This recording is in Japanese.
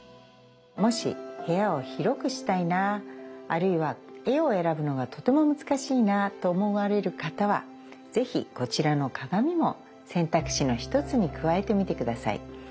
もし部屋を広くしたいなあるいは絵を選ぶのがとても難しいなと思われる方は是非こちらの鏡も選択肢の一つに加えてみて下さい。